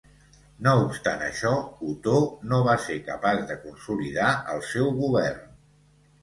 No obstant això, Otó no va ser capaç de consolidar el seu govern.